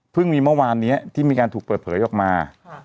มีเมื่อวานนี้ที่มีการถูกเปิดเผยออกมา